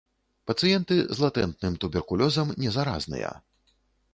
Пацыенты з латэнтным туберкулёзам не заразныя.